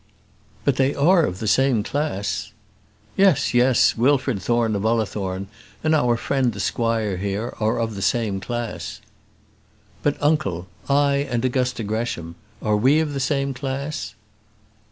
"But they are of the same class." "Yes, yes; Wilfred Thorne of Ullathorne, and our friend the squire here, are of the same class." "But, uncle, I and Augusta Gresham are we of the same class?"